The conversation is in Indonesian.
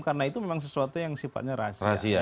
karena itu memang sesuatu yang sifatnya rahasia